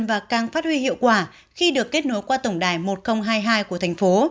và càng phát huy hiệu quả khi được kết nối qua tổng đài một nghìn hai mươi hai của thành phố